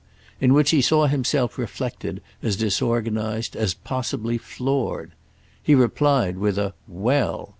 in which he saw himself reflected as disorganised, as possibly floored. He replied with a "Well!"